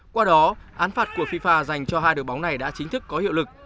qua đó án phạt của fifa dành cho hai đội bóng này đã chính thức có hiệu lực